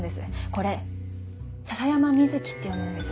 これ「篠山瑞生」って読むんです。